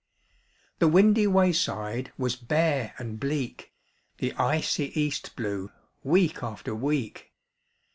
The windy wayside Was bare and bleak. The icy East blew Week after week.